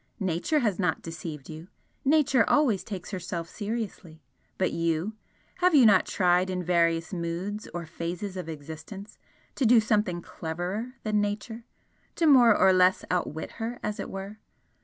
Nature has not deceived you Nature always takes herself seriously but you have you not tried in various moods or phases of existence, to do something cleverer than Nature? to more or less outwit her as it were?